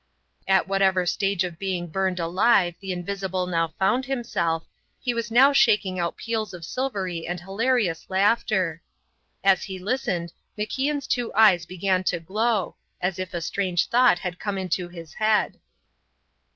At whatever stage of being burned alive the invisible now found himself, he was now shaking out peals of silvery and hilarious laughter. As he listened, MacIan's two eyes began to glow, as if a strange thought had come into his head.